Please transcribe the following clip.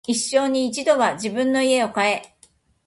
一生に一度は自分の家を買え